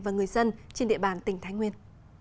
và người dân trên địa bàn tỉnh thái nguyên